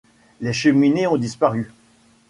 Les cheminées ont disparu.